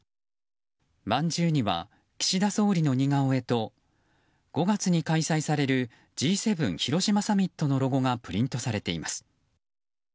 まんじゅうには岸田総理の似顔絵と５月に開催されるＧ７広島サミットのロゴがプリントされています。